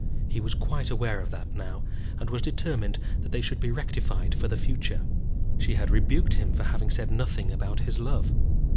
He was quite aware of that now, and was determined that they should be rectified for the future. She had rebuked him for having said nothing about his love.